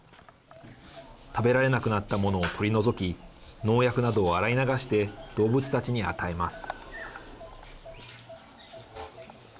食べられなくなったものを取り除き農薬などを洗い流して動物たちに与えます。